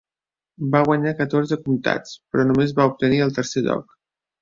Va guanyar catorze comtats, però només va obtenir el tercer lloc.